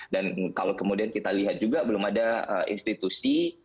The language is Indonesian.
dan kalau kemudian kita lihat juga belum ada institusi